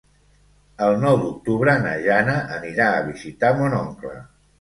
El nou d'octubre na Jana anirà a visitar mon oncle.